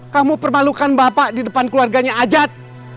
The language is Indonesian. kamu permalukan bapak di depan keluarganya ajat